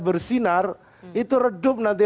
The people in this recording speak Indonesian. bersinar itu redup nanti